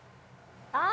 あ！